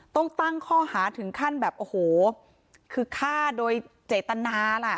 ต้องตั้งข้อหาถึงขั้นแบบโอ้โหคือฆ่าโดยเจตนาล่ะ